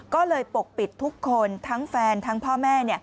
ก็เลยปกปิดทุกคนทั้งแฟนทั้งพ่อแม่